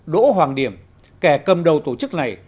đỗ hoàng điểm kẻ cầm đầu tổ chức này